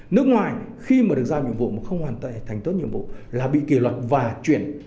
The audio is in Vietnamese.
nước ngoài khi mà được giao nhiệm vụ mà không hoàn thành tốt nhiệm vụ là bị kỷ luật và chuyển